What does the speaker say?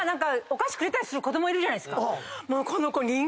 お菓子くれたりする子供いるじゃない。